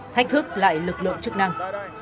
thách thức lại lực lượng chức năng